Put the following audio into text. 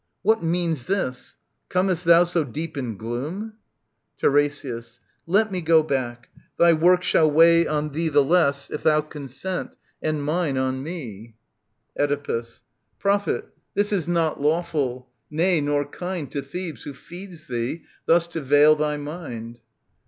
What means this ? Comest thou so deep in gloom ? TiRESIAS. Let me go back ! Thy work shall weigh on thcc The less, if thou consent, and mine on mc. 18 TT.3a» 336 OEDIPUS, KING OF THEBES' Oedipus. Prophet, this is not lawful ; nay, nor kind To Thebes, who feeds thee, thus to veil thy mind.